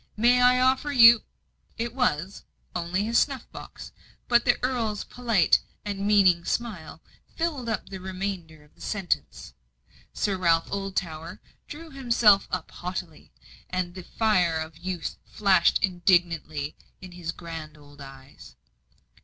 May I offer you " It was only his snuff box. But the Earl's polite and meaning smile filled up the remainder of the sentence. Sir Ralph Oldtower drew himself up haughtily, and the fire of youth flashed indignantly from his grand old eyes.